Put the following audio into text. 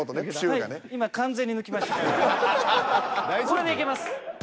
これでいけます。